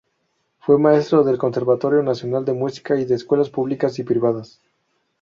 Fue maestro del Conservatorio Nacional de Música y de escuelas públicas y privadas.